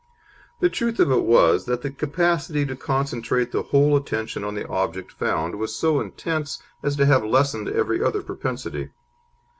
The truth of it was that the capacity to concentrate the whole attention on the object found was so intense as to have lessened every other propensity.